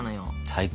最高。